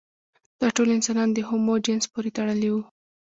دا ټول انسانان د هومو جنس پورې تړلي وو.